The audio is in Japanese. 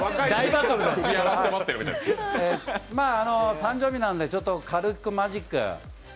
誕生日なんで軽くマジックを。